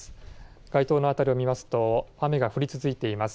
街頭の辺りを見ますと雨が降り続いています。